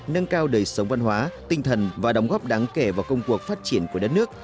nâng cao đời sống văn hóa tinh thần và đóng góp đáng kể vào công cuộc phát triển của đất nước